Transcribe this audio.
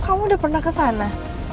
kamu udah pernah kesana